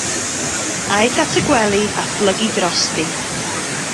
Aeth at y gwely a phlygu drosti.